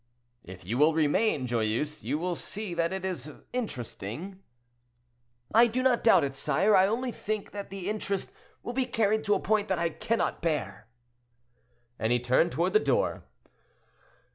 "If you will remain, Joyeuse, you will see that it is interesting." "I do not doubt it, sire; I only think that the interest will be carried to a point that I cannot bear;" and he turned toward the door.